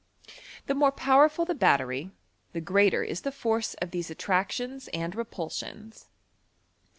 The more powerful the bat tery, the greater is the force of these attractions aad repulsions.